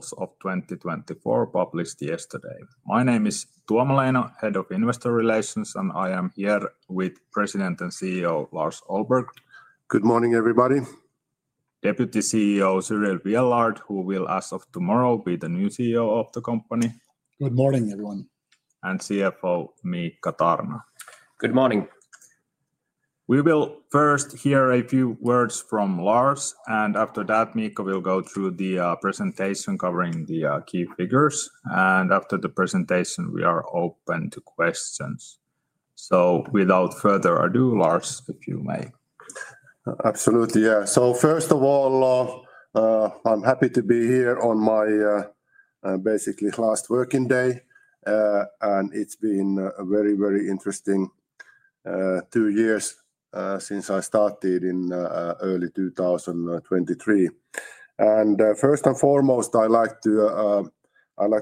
2024, published yesterday. My name is Tuomo Leino, Head of Investor Relations, and I am here with President and CEO Lars Ollberg. Good morning, everybody. Deputy CEO Cyrille Viellard, who will, as of tomorrow, be the new CEO of the company. Good morning, everyone. CFO Miikka Tarna. Good morning. We will first hear a few words from Lars, and after that, Miikka will go through the presentation covering the key figures. After the presentation, we are open to questions. Without further ado, Lars, if you may. Absolutely, yeah. First of all, I'm happy to be here on my basically last working day. It's been a very, very interesting two years since I started in early 2023. First and foremost, I'd like to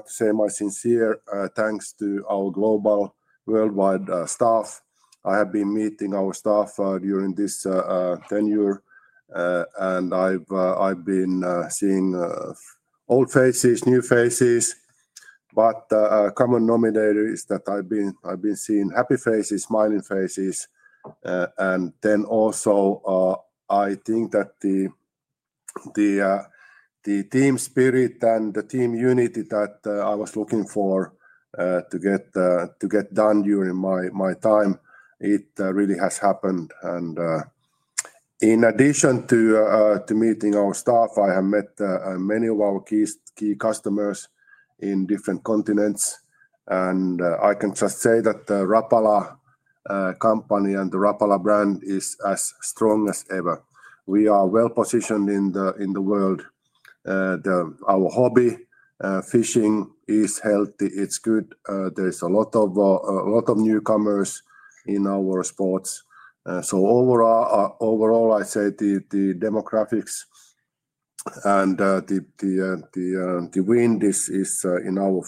say my sincere thanks to our global, worldwide staff. I have been meeting our staff during this tenure, and I've been seeing old faces, new faces. A common nominator is that I've been seeing happy faces, smiling faces. I think that the team spirit and the team unity that I was looking for to get done during my time, it really has happened. In addition to meeting our staff, I have met many of our key customers in different continents. I can just say that the Rapala company and the Rapala brand is as strong as ever. We are well positioned in the world. Our hobby, fishing, is healthy. It's good. There's a lot of newcomers in our sports. Overall, I say the demographics and the wind is in our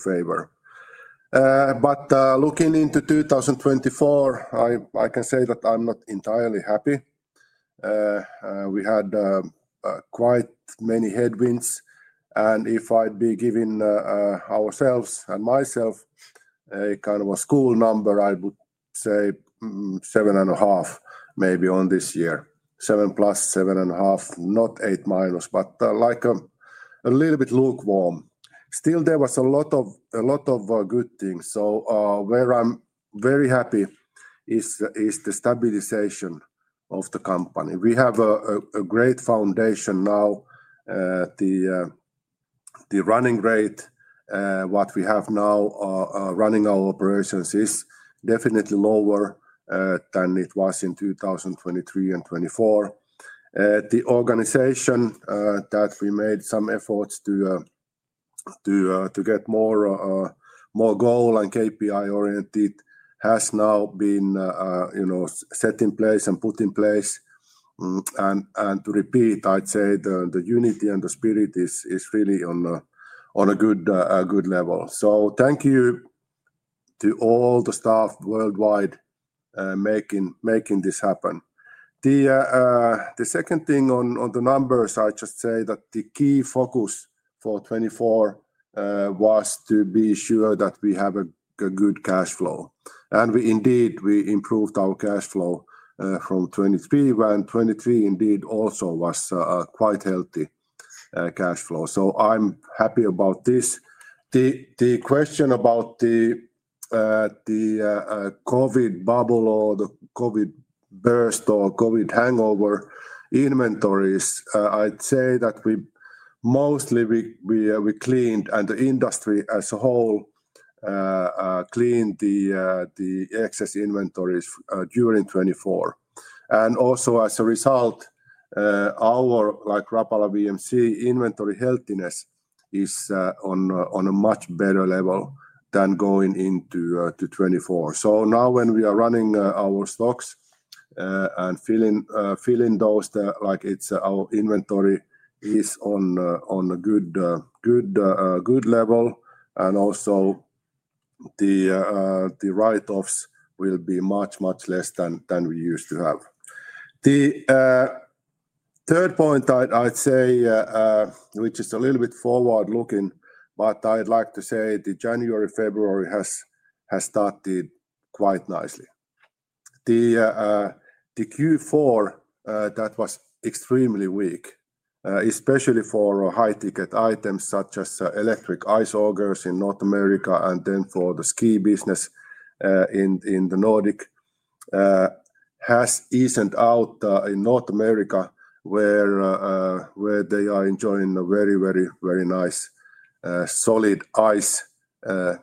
favor. Looking into 2024, I can say that I'm not entirely happy. We had quite many headwinds. If I'd be giving ourselves and myself a kind of a school number, I would say seven and a half, maybe on this year. Seven plus, seven and a half, not eight minus, but like a little bit lukewarm. Still, there was a lot of good things. Where I'm very happy is the stabilization of the company. We have a great foundation now. The running rate, what we have now running our operations, is definitely lower than it was in 2023 and 2024. The organization that we made some efforts to get more goal and KPI-oriented has now been set in place and put in place. I'd say the unity and the spirit is really on a good level. Thank you to all the staff worldwide making this happen. The second thing on the numbers, I just say that the key focus for 2024 was to be sure that we have a good cash flow. Indeed, we improved our cash flow from 2023 when 2023 indeed also was quite healthy cash flow. I'm happy about this. The question about the COVID bubble or the COVID burst or COVID hangover inventories, I'd say that mostly we cleaned and the industry as a whole cleaned the excess inventories during 2024. Also, as a result, our Rapala VMC inventory healthiness is on a much better level than going into 2024. Now when we are running our stocks and filling those, our inventory is on a good level. The write-offs will be much, much less than we used to have. The third point, I'd say, which is a little bit forward-looking, but I'd like to say the January-February has started quite nicely. The Q4 that was extremely weak, especially for high-ticket items such as electric ice augers in North America and for the ski business in the Nordic, has eased out in North America where they are enjoying a very, very, very nice solid ice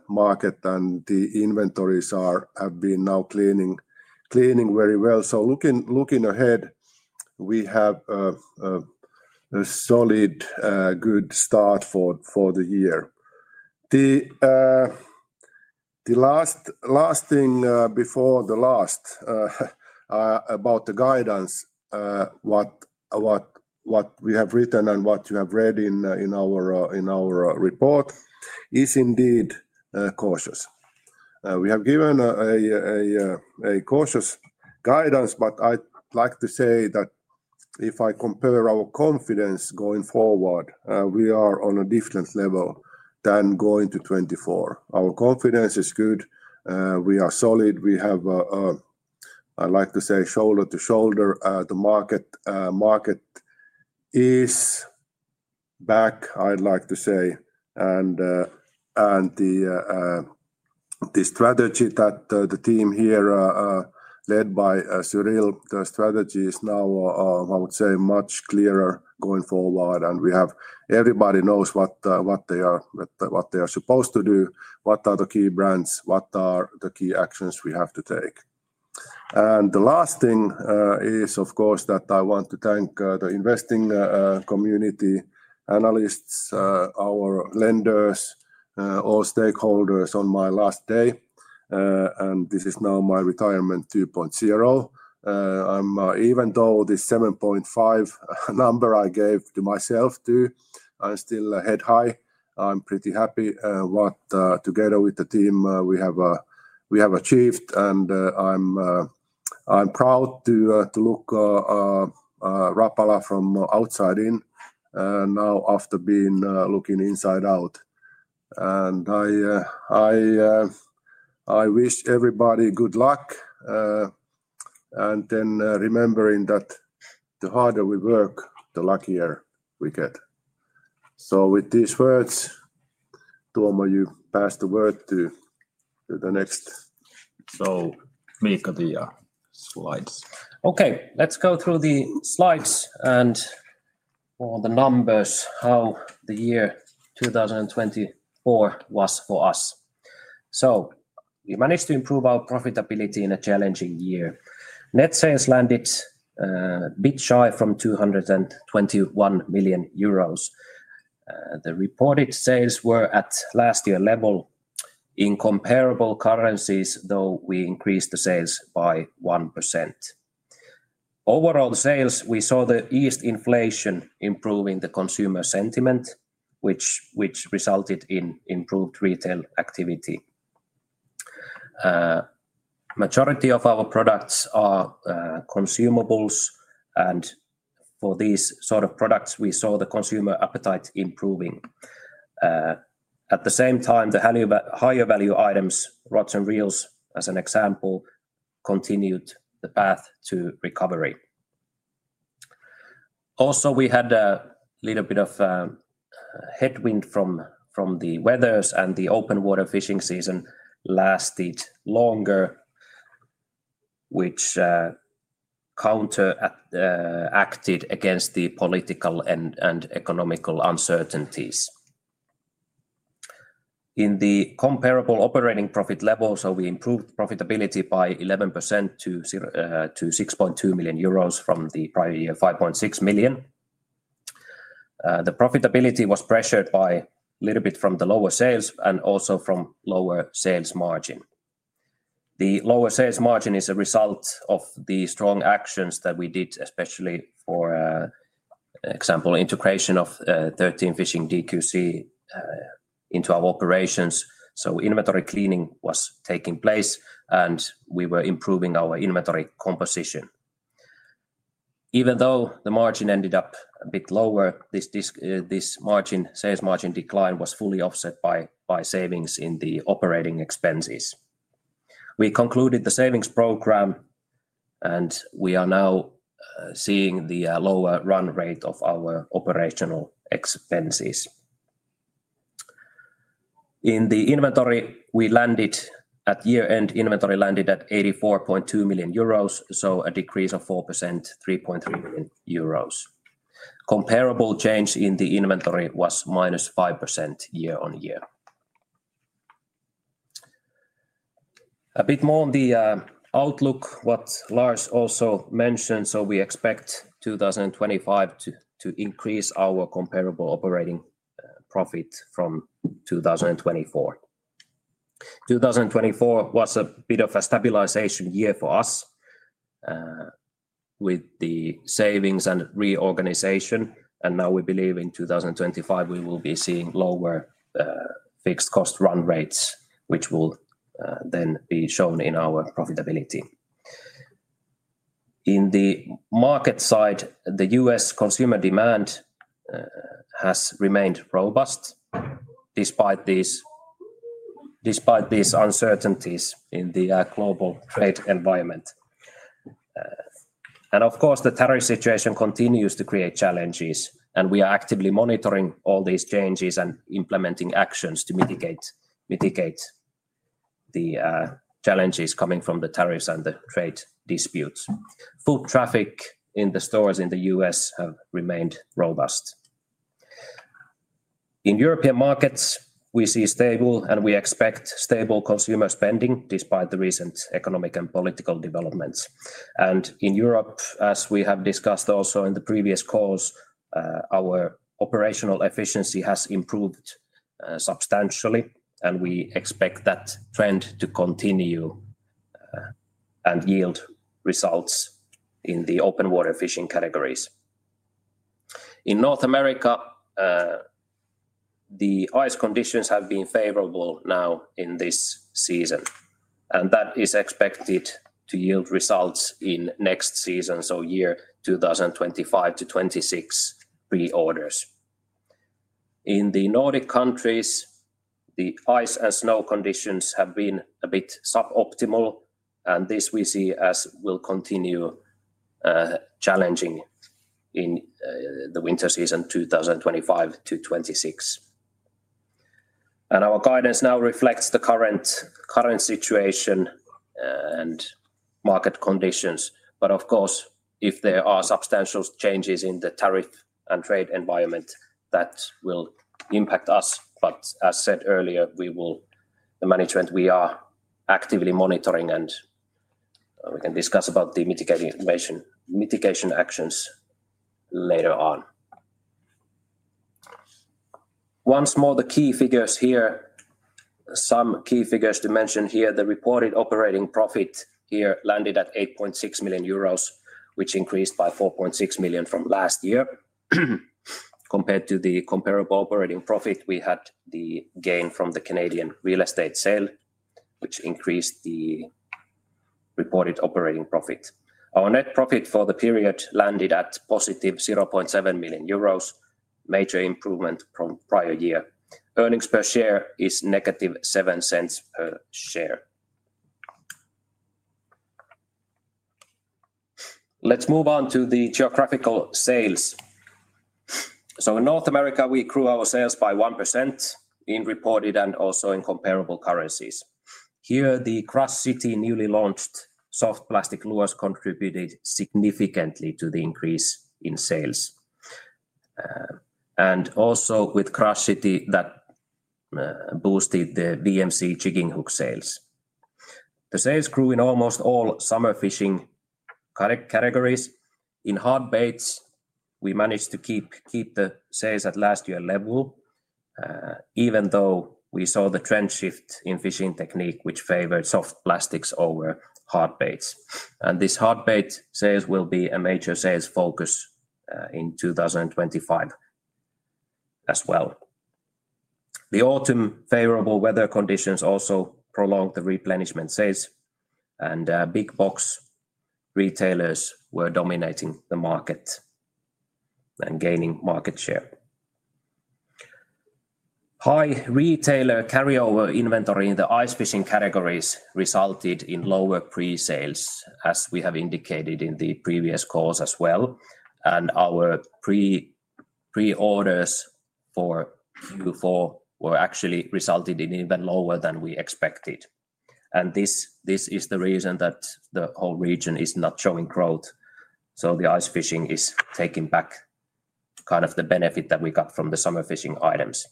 market. The inventories have been now cleaning very well. Looking ahead, we have a solid, good start for the year. The last thing before the last about the guidance, what we have written and what you have read in our report, is indeed cautious. We have given a cautious guidance, but I'd like to say that if I compare our confidence going forward, we are on a different level than going to 2024. Our confidence is good. We are solid. We have, I'd like to say, shoulder to shoulder. The market is back, I'd like to say. The strategy that the team here led by Cyrille, the strategy is now, I would say, much clearer going forward. Everybody knows what they are supposed to do, what are the key brands, what are the key actions we have to take. The last thing is, of course, that I want to thank the investing community, analysts, our lenders, all stakeholders on my last day. This is now my retirement 2.0. Even though the 7.5 number I gave to myself too, I'm still head high. I'm pretty happy what together with the team we have achieved. I'm proud to look at Rapala from outside in now after being looking inside out. I wish everybody good luck. Remembering that the harder we work, the luckier we get. With these words, Tuomo, you pass the word to the next. Miikka, DIA. Slides. Okay, let's go through the slides and all the numbers, how the year 2024 was for us. We managed to improve our profitability in a challenging year. Net sales landed a bit shy from 221 million euros. The reported sales were at last year level in comparable currencies, though we increased the sales by 1%. Overall sales, we saw the eased inflation improving the consumer sentiment, which resulted in improved retail activity. The majority of our products are consumables. For these sort of products, we saw the consumer appetite improving. At the same time, the higher value items, rods and reels as an example, continued the path to recovery. Also, we had a little bit of a headwind from the weathers, and the open water fishing season lasted longer, which counteracted against the political and economical uncertainties. In the comparable operating profit levels, we improved profitability by 11% to 6.2 million euros from the prior year 5.6 million. The profitability was pressured a little bit from the lower sales and also from lower sales margin. The lower sales margin is a result of the strong actions that we did, especially for, for example, integration of 13 Fishing DQC into our operations. Inventory cleaning was taking place, and we were improving our inventory composition. Even though the margin ended up a bit lower, this sales margin decline was fully offset by savings in the operating expenses. We concluded the savings program, and we are now seeing the lower run rate of our operational expenses. In the inventory, we landed at year-end inventory landed at 84.2 million euros, so a decrease of 4%, 3.3 million euros. Comparable change in the inventory was minus 5% year-on-year. A bit more on the outlook, what Lars also mentioned. We expect 2025 to increase our comparable operating profit from 2024. 2024 was a bit of a stabilization year for us with the savings and reorganization. Now we believe in 2025, we will be seeing lower fixed cost run rates, which will then be shown in our profitability. In the market side, the U.S. consumer demand has remained robust despite these uncertainties in the global trade environment. Of course, the tariff situation continues to create challenges, and we are actively monitoring all these changes and implementing actions to mitigate the challenges coming from the tariffs and the trade disputes. Foot traffic in the stores in the U.S. has remained robust. In European markets, we see stable, and we expect stable consumer spending despite the recent economic and political developments. In Europe, as we have discussed also in the previous calls, our operational efficiency has improved substantially, and we expect that trend to continue and yield results in the open water fishing categories. In North America, the ice conditions have been favorable now in this season, and that is expected to yield results in next season, so year 2025 to 2026 pre-orders. In the Nordic countries, the ice and snow conditions have been a bit suboptimal, and this we see as will continue challenging in the winter season 2025 to 2026. Our guidance now reflects the current situation and market conditions. Of course, if there are substantial changes in the tariff and trade environment, that will impact us. As said earlier, the management, we are actively monitoring, and we can discuss about the mitigation actions later on. Once more, the key figures here, some key figures to mention here, the reported operating profit here landed at 8.6 million euros, which increased by 4.6 million from last year. Compared to the comparable operating profit, we had the gain from the Canadian real estate sale, which increased the reported operating profit. Our net profit for the period landed at positive 0.7 million euros, major improvement from prior year. Earnings per share is negative 0.07 per share. Let's move on to the geographical sales. In North America, we grew our sales by 1% in reported and also in comparable currencies. Here, the Crush City newly launched soft plastic lures contributed significantly to the increase in sales. With Crush City, that boosted the VMC Jigging Hook sales. The sales grew in almost all summer fishing categories. In hard baits, we managed to keep the sales at last year level, even though we saw the trend shift in fishing technique, which favored soft plastics over hard baits. These hard bait sales will be a major sales focus in 2025 as well. The autumn favorable weather conditions also prolonged the replenishment sales, and big box retailers were dominating the market and gaining market share. High retailer carryover inventory in the ice fishing categories resulted in lower pre-sales, as we have indicated in the previous calls as well. Our pre-orders for Q4 actually resulted in even lower than we expected. This is the reason that the whole region is not showing growth. The ice fishing is taking back kind of the benefit that we got from the summer fishing items.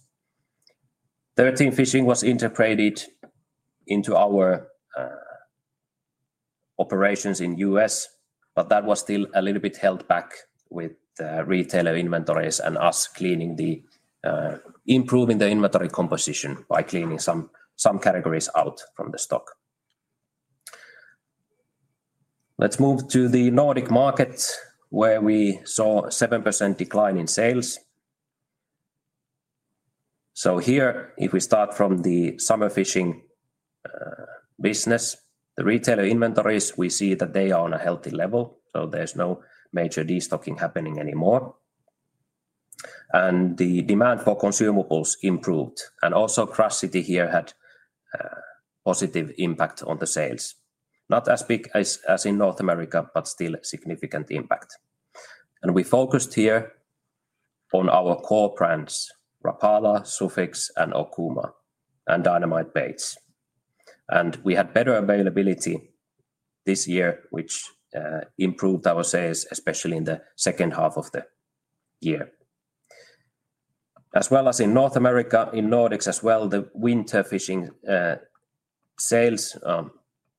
13 Fishing was integrated into our operations in the U.S., but that was still a little bit held back with retailer inventories and us improving the inventory composition by cleaning some categories out from the stock. Let's move to the Nordic markets where we saw a 7% decline in sales. Here, if we start from the summer fishing business, the retailer inventories, we see that they are on a healthy level. There's no major destocking happening anymore. The demand for consumables improved. Also, Crush City here had a positive impact on the sales. Not as big as in North America, but still a significant impact. We focused here on our core brands, Rapala, Sufix, Okuma, and Dynamite Baits. We had better availability this year, which improved our sales, especially in the second half of the year. As well as in North America, in Nordic as well, the winter fishing sales,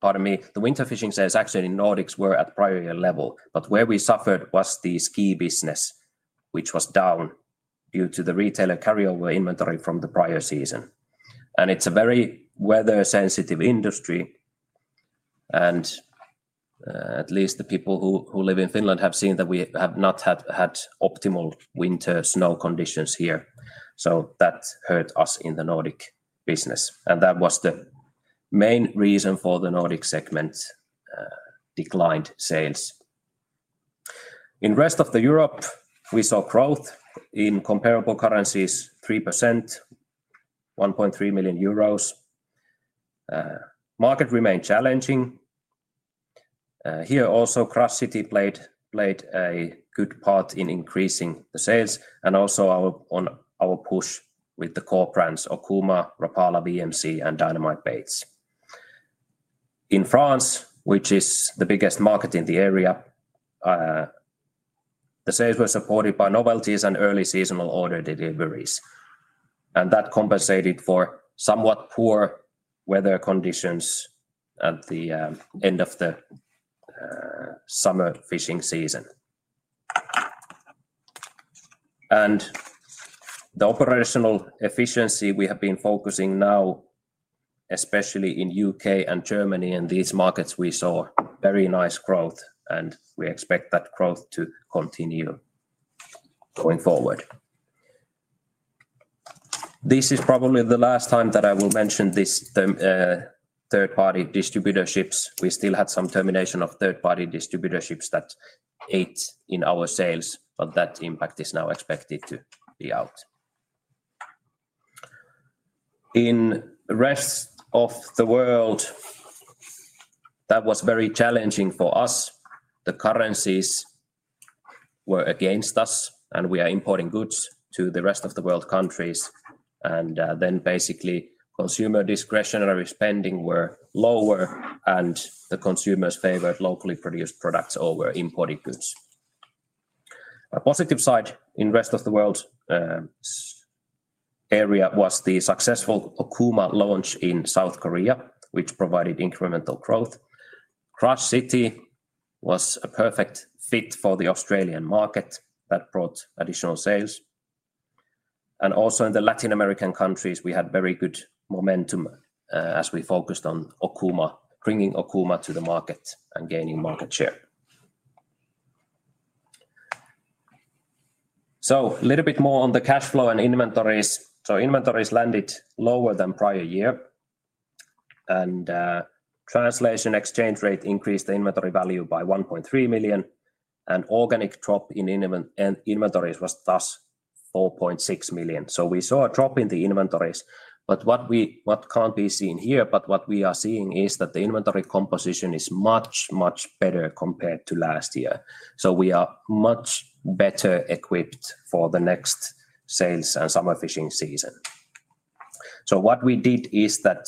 pardon me, the winter fishing sales actually in Nordic were at prior year level. Where we suffered was the ski business, which was down due to the retailer carryover inventory from the prior season. It is a very weather-sensitive industry. At least the people who live in Finland have seen that we have not had optimal winter snow conditions here. That hurt us in the Nordic business. That was the main reason for the Nordic segment declined sales. In the rest of Europe, we saw growth in comparable currencies, 3%, 1.3 million euros. Market remained challenging. Here also, Crush City played a good part in increasing the sales and also our push with the core brands, Okuma, Rapala VMC, and Dynamite Baits. In France, which is the biggest market in the area, the sales were supported by novelties and early seasonal order deliveries. That compensated for somewhat poor weather conditions at the end of the summer fishing season. The operational efficiency we have been focusing on now, especially in the U.K. and Germany, in these markets, we saw very nice growth, and we expect that growth to continue going forward. This is probably the last time that I will mention these third-party distributorships. We still had some termination of third-party distributorships that ate in our sales, but that impact is now expected to be out. In the rest of the world, that was very challenging for us. The currencies were against us, and we are importing goods to the rest of the world countries. Basically, consumer discretionary spending was lower, and the consumers favored locally produced products over imported goods. A positive side in the rest of the world area was the successful Okuma launch in South Korea, which provided incremental growth. Crush City was a perfect fit for the Australian market that brought additional sales. Also in the Latin American countries, we had very good momentum as we focused on bringing Okuma to the market and gaining market share. A little bit more on the cash flow and inventories. Inventories landed lower than prior year. Translation exchange rate increased the inventory value by 1.3 million. Organic drop in inventories was thus 4.6 million. We saw a drop in the inventories. What cannot be seen here, but what we are seeing is that the inventory composition is much, much better compared to last year. We are much better equipped for the next sales and summer fishing season. What we did is that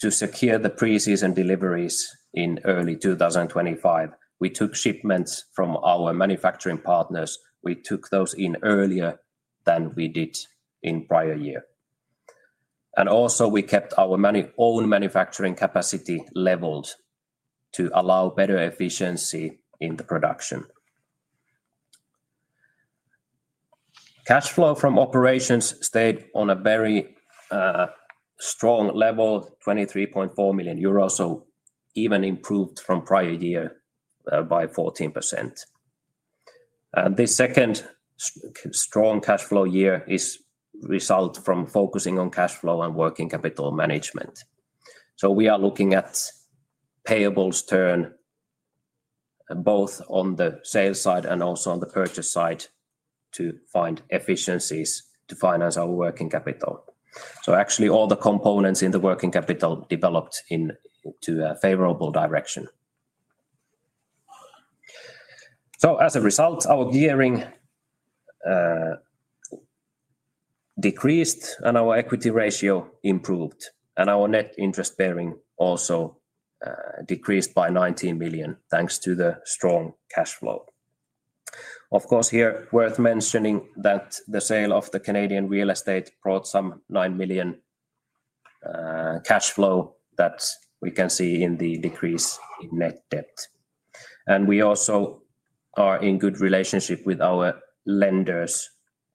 to secure the pre-season deliveries in early 2025, we took shipments from our manufacturing partners. We took those in earlier than we did in prior year. We kept our own manufacturing capacity leveled to allow better efficiency in the production. Cash flow from operations stayed on a very strong level, 23.4 million euros, so even improved from prior year by 14%. The second strong cash flow year is a result from focusing on cash flow and working capital management. We are looking at payables turn both on the sales side and also on the purchase side to find efficiencies to finance our working capital. Actually, all the components in the working capital developed into a favorable direction. As a result, our gearing decreased and our equity ratio improved. Our net interest bearing also decreased by 19 million thanks to the strong cash flow. Of course, here worth mentioning that the sale of the Canadian real estate brought some 9 million cash flow that we can see in the decrease in net debt. We also are in good relationship with our lenders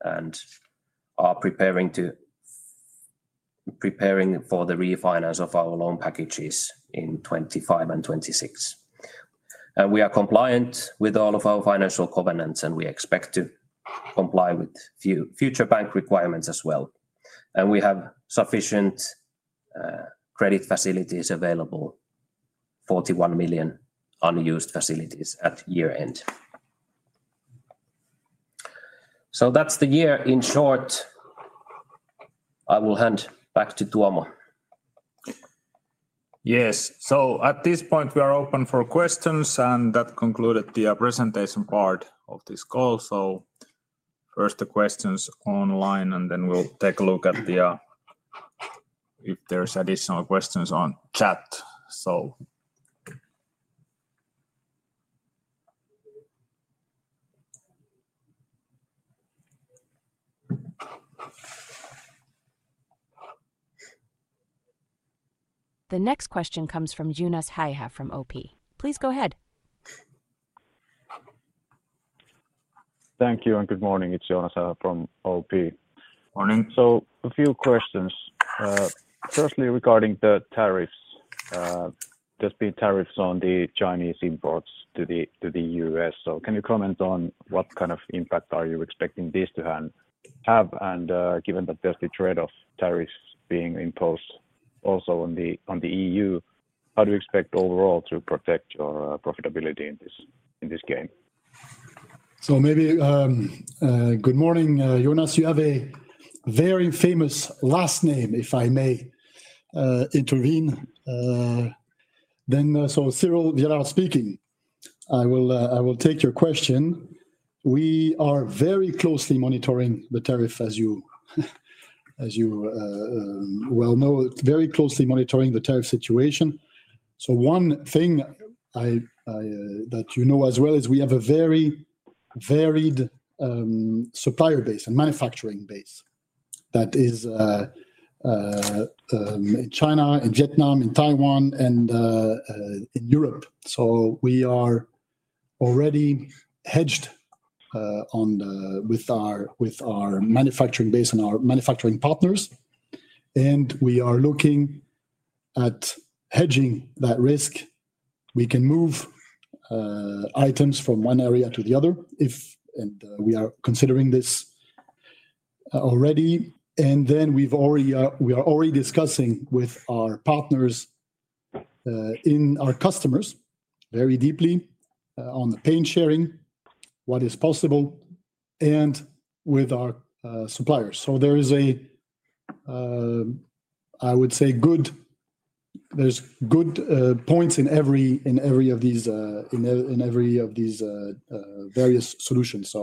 and are preparing for the refinance of our loan packages in 2025 and 2026. We are compliant with all of our financial covenants, and we expect to comply with future bank requirements as well. We have sufficient credit facilities available, 41 million unused facilities at year end. That is the year in short. I will hand back to Tuomo. Yes. At this point, we are open for questions, and that concluded the presentation part of this call. First, the questions online, and then we'll take a look at if there's additional questions on chat. The next question comes from Joonas Häyhä from OP. Please go ahead. Thank you and good morning. It's Joonas Häyhä from OP. Morning. A few questions. Firstly, regarding the tariffs, there's been tariffs on the Chinese imports to the U.S. Can you comment on what kind of impact are you expecting this to have? Given that there's the trade-off tariffs being imposed also on the EU, how do you expect overall to protect your profitability in this game? Good morning, Jonas. You have a very famous last name, if I may intervene. Cyrille Viellard speaking. I will take your question. We are very closely monitoring the tariff, as you well know, very closely monitoring the tariff situation. One thing that you know as well is we have a very varied supplier base and manufacturing base that is in China, in Vietnam, in Taiwan, and in Europe. We are already hedged with our manufacturing base and our manufacturing partners. We are looking at hedging that risk. We can move items from one area to the other, and we are considering this already. We are already discussing with our partners, our customers, very deeply on the pain sharing, what is possible, and with our suppliers. There is, I would say, good, there are good points in every of these, in every of these various solutions.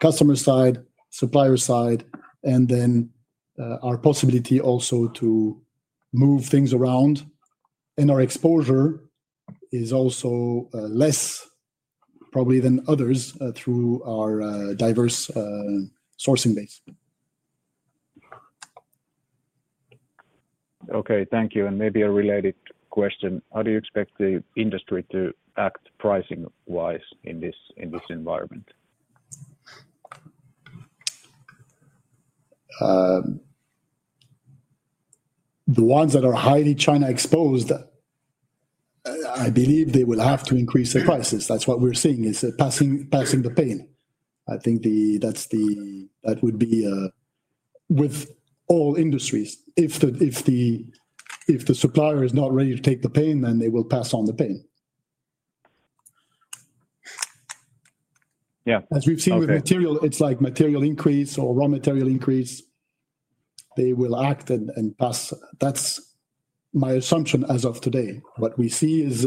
Customer side, supplier side, and then our possibility also to move things around. Our exposure is also less probably than others through our diverse sourcing base. Okay. Thank you. Maybe a related question. How do you expect the industry to act pricing-wise in this environment? The ones that are highly China-exposed, I believe they will have to increase their prices. That's what we're seeing is passing the pain. I think that would be with all industries. If the supplier is not ready to take the pain, then they will pass on the pain. Yeah. As we've seen with material, it's like material increase or raw material increase. They will act and pass. That's my assumption as of today. What we see is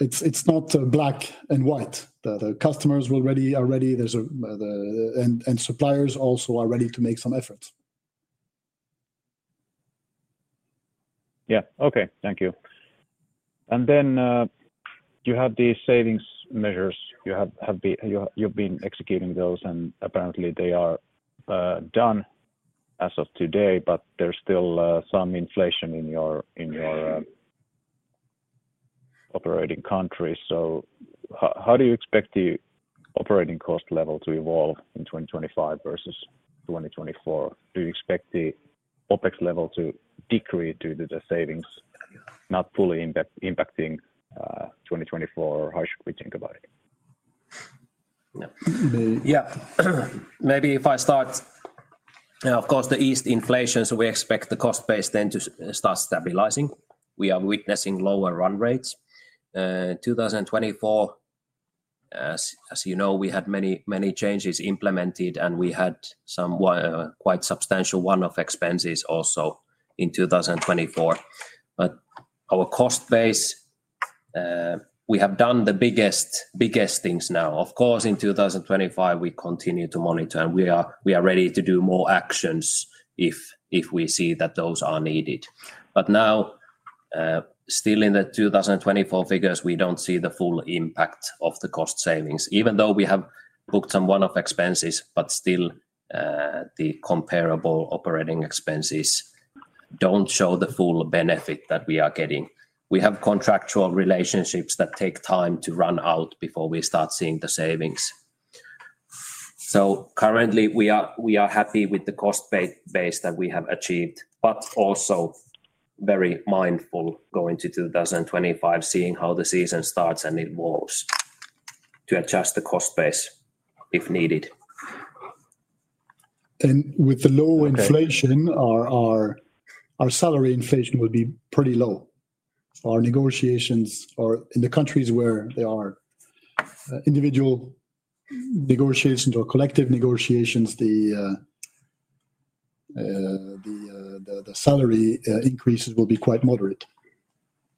it's not black and white. The customers are ready, and suppliers also are ready to make some efforts. Yeah. Okay. Thank you. You have these savings measures. You've been executing those, and apparently they are done as of today, but there's still some inflation in your operating countries. How do you expect the operating cost level to evolve in 2025 versus 2024? Do you expect the OpEx level to decrease due to the savings, not fully impacting 2024? How should we think about it? Yeah. Maybe if I start, of course, the east inflation, so we expect the cost base then to start stabilizing. We are witnessing lower run rates. 2024, as you know, we had many changes implemented, and we had some quite substantial one-off expenses also in 2024. Our cost base, we have done the biggest things now. Of course, in 2025, we continue to monitor, and we are ready to do more actions if we see that those are needed. Now, still in the 2024 figures, we do not see the full impact of the cost savings, even though we have booked some one-off expenses, but still the comparable operating expenses do not show the full benefit that we are getting. We have contractual relationships that take time to run out before we start seeing the savings. Currently, we are happy with the cost base that we have achieved, but also very mindful going to 2025, seeing how the season starts and evolves to adjust the cost base if needed. With the low inflation, our salary inflation will be pretty low. Our negotiations are in the countries where there are individual negotiations or collective negotiations, the salary increases will be quite moderate.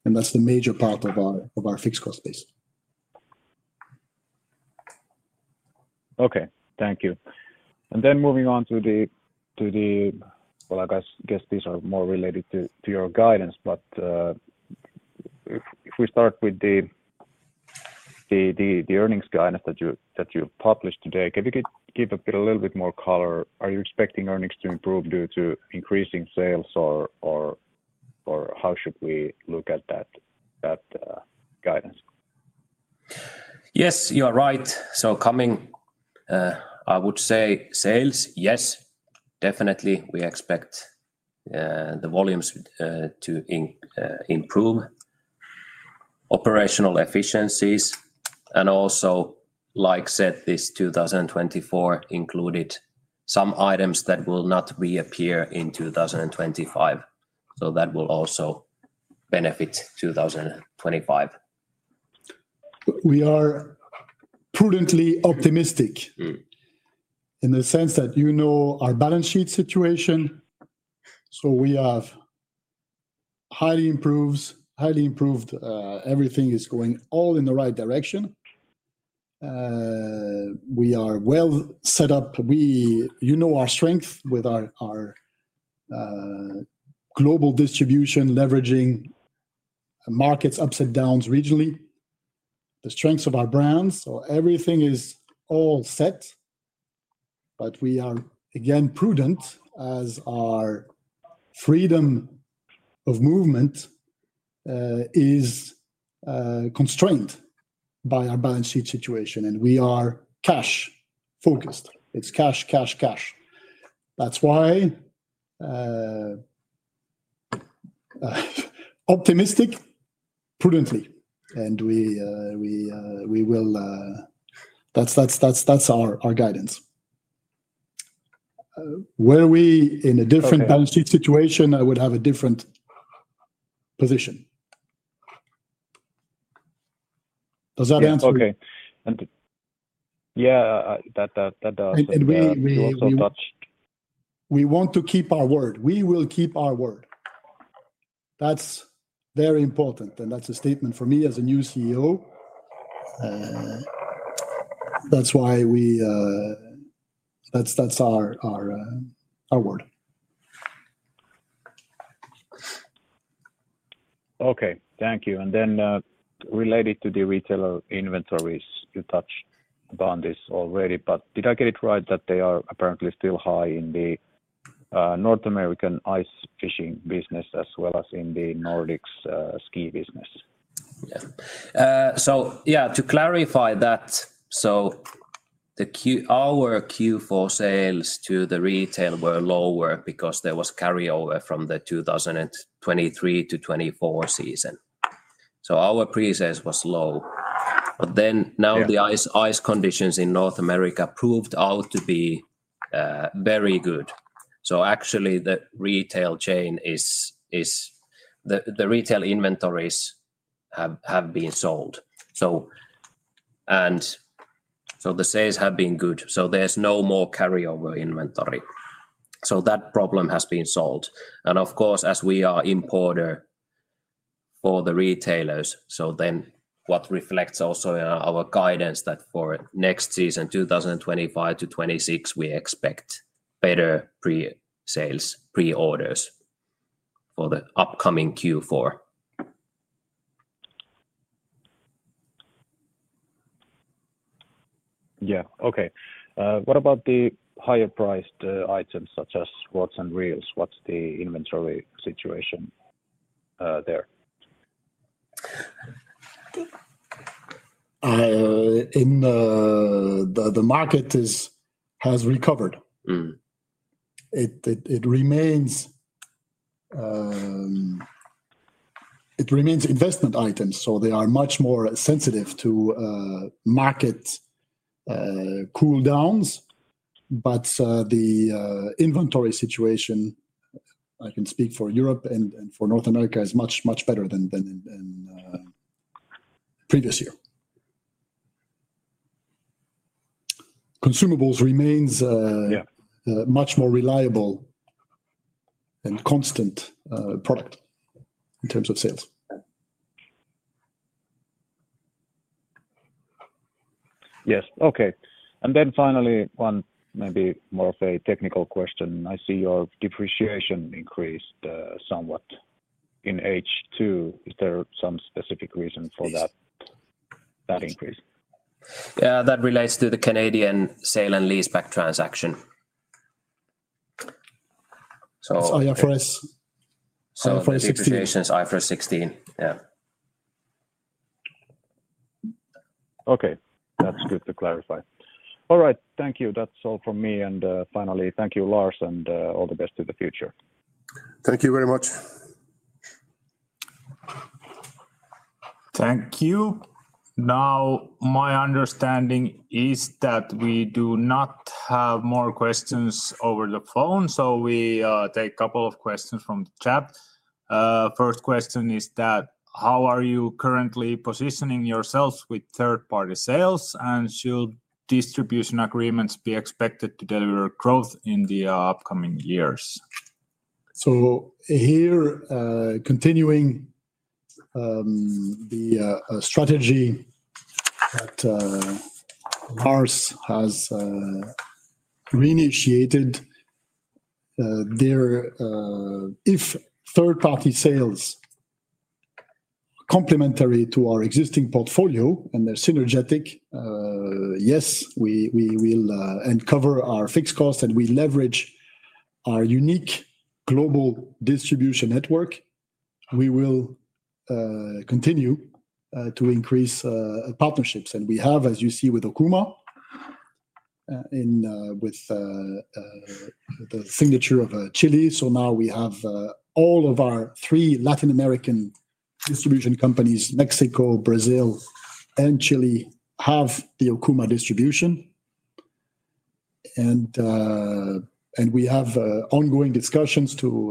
That is the major part of our fixed cost base. Okay. Thank you. Moving on to the, I guess these are more related to your guidance, if we start with the earnings guidance that you published today, can you give a little bit more color? Are you expecting earnings to improve due to increasing sales, or how should we look at that guidance? Yes, you are right. Coming, I would say sales, yes, definitely. We expect the volumes to improve, operational efficiencies, and also, like said, this 2024 included some items that will not reappear in 2025. That will also benefit 2025. We are prudently optimistic in the sense that you know our balance sheet situation. We have highly improved, everything is going all in the right direction. We are well set up. You know our strength with our global distribution, leveraging markets upside down regionally, the strengths of our brands. Everything is all set, but we are again prudent as our freedom of movement is constrained by our balance sheet situation. We are cash-focused. It's cash, cash, cash. That's why optimistic, prudently, and we will, that's our guidance. Were we in a different balance sheet situation, I would have a different position. Does that answer? Okay. Yeah, that does. We also touched. We want to keep our word. We will keep our word. That's very important. That's a statement for me as a new CEO. That's why that's our word. Okay. Thank you. Then related to the retail inventories, you touched on this already, but did I get it right that they are apparently still high in the North American ice fishing business as well as in the Nordic ski business? Yeah. Yeah, to clarify that, our Q4 sales to the retail were lower because there was carryover from the 2023 to 2024 season. Our pre-sales was low. Now the ice conditions in North America proved out to be very good. Actually, the retail chain is, the retail inventories have been sold. The sales have been good. There is no more carryover inventory. That problem has been solved. Of course, as we are importer for the retailers, what reflects also in our guidance is that for next season, 2025 to 2026, we expect better pre-sales, pre-orders for the upcoming Q4. Yeah. What about the higher-priced items such as rods and reels? What is the inventory situation there? The market has recovered. It remains investment items. They are much more sensitive to market cooldowns. The inventory situation, I can speak for Europe and for North America, is much, much better than previous year. Consumables remain much more reliable and constant product in terms of sales. Yes. Okay. Finally, one maybe more of a technical question. I see your depreciation increased somewhat in H2. Is there some specific reason for that increase? Yeah. That relates to the Canadian sale and lease-back transaction. IFRS 16. Yeah. Okay. That's good to clarify. All right. Thank you. That's all from me. Finally, thank you, Lars, and all the best to the future. Thank you very much. Thank you. Now, my understanding is that we do not have more questions over the phone. We take a couple of questions from the chat. First question is that how are you currently positioning yourselves with third-party sales, and should distribution agreements be expected to deliver growth in the upcoming years? Here, continuing the strategy that Lars has reinitiated, if third-party sales are complementary to our existing portfolio and they're synergetic, yes, we will uncover our fixed costs and we leverage our unique global distribution network. We will continue to increase partnerships. We have, as you see with Okuma with the signature of Chile. Now we have all of our three Latin American distribution companies, Mexico, Brazil, and Chile have the Okuma distribution. We have ongoing discussions to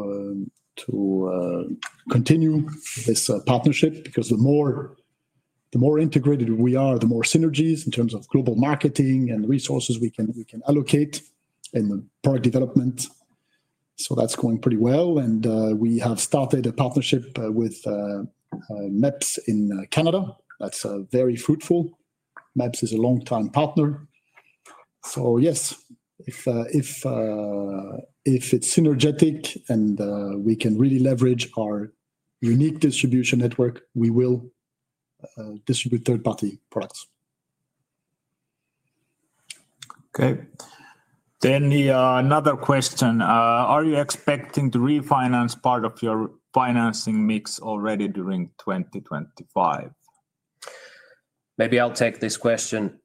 continue this partnership because the more integrated we are, the more synergies in terms of global marketing and resources we can allocate in the product development. That's going pretty well. We have started a partnership with Mepps in Canada. That's very fruitful. Mepps is a long-time partner. Yes, if it's synergetic and we can really leverage our unique distribution network, we will distribute third-party products. Okay. Another question. Are you expecting to refinance part of your financing mix already during 2025? Maybe I'll take this question.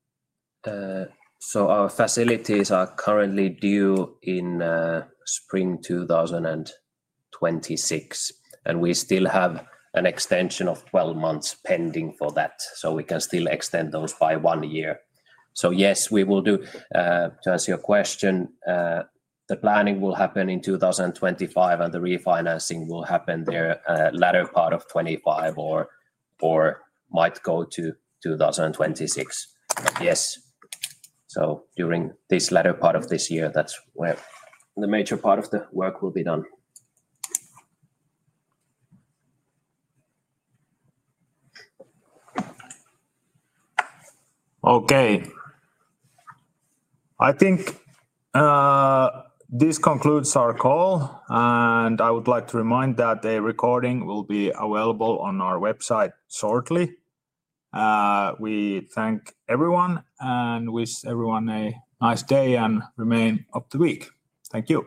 Our facilities are currently due in spring 2026, and we still have an extension of 12 months pending for that. We can still extend those by one year. Yes, we will do. To answer your question, the planning will happen in 2025, and the refinancing will happen there latter part of 2025 or might go to 2026. Yes. During this latter part of this year, that's where the major part of the work will be done. Okay. I think this concludes our call. I would like to remind that a recording will be available on our website shortly. We thank everyone and wish everyone a nice day and remain up to week. Thank you.